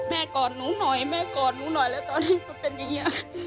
กอดหนูหน่อยแม่กอดหนูหน่อยแล้วตอนที่เขาเป็นอย่างนี้